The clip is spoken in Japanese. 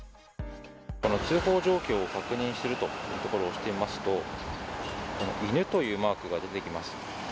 通報状況を確認するというところを押してみますと犬というマークが出てきます。